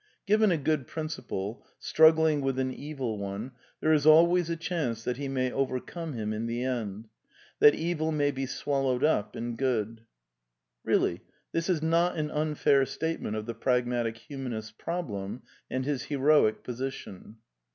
Given a Good Principle, struggling with an Evil One, there is always a chance that he may overcome him in the end ; that evil may be swallowed up in good. Beally, this is not an unfair statement of the pragmatic humanist's problem and his heroic position.